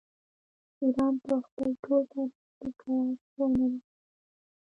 ایران په خپل ټول تاریخ کې کرار شوی نه دی.